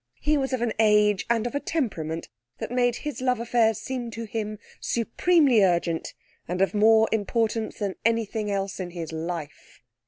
He was of an age and of a temperament that made his love affairs seem to him supremely urgent and of more importance than anything else in his life.